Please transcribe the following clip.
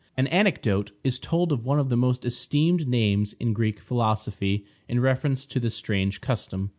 An anecdote is told of one of the most esteemed names in Greek philosophy in reference to this strange custom.